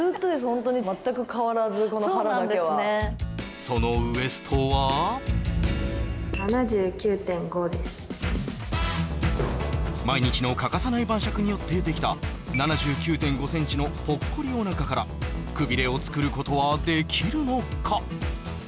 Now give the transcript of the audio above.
ホントに全く変わらずこの腹だけはそのウエストは毎日の欠かさない晩酌によってできた７９．５ｃｍのぽっこりお腹からくびれを作ることはできるのか？